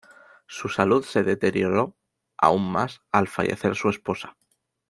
Su salud se deterioró aún más al fallecer su esposa.